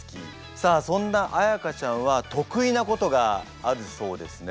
さあそんな彩歌ちゃんは得意なことがあるそうですね。